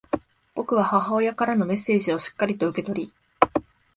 僕は母親からのメッセージをしっかりと受け取り、